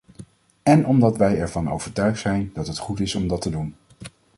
En omdat wij ervan overtuigd zijn dat het goed is om dat te doen.